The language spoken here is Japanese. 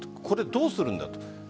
これどうするんだと。